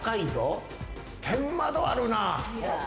天窓あるな。